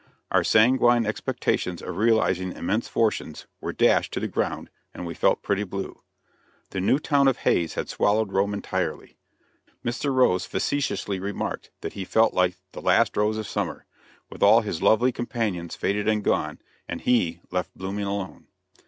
Our sanguine expectations of realizing immense fortunes were dashed to the ground, and we felt pretty blue. The new town of Hays had swallowed Rome entirely. Mr. Rose facetiously remarked that he felt like "the last rose of summer," with all his lovely companions faded and gone, and he left blooming alone.